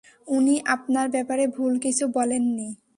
উনি আপনার ব্যাপারে ভুল কিছু বলেননি।